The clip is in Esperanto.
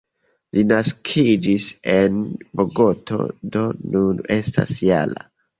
Li naskiĝis en Bogoto, do nun estas -jara.